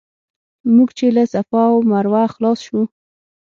موږ چې له صفا او مروه خلاص شو.